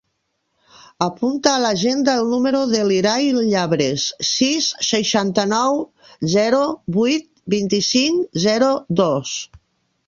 Apunta a l'agenda el número de l'Irai Llabres: sis, seixanta-nou, zero, vuit, vint-i-cinc, zero, dos.